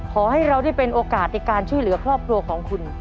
ขอให้เราได้เป็นโอกาสในการช่วยเหลือครอบครัวของคุณ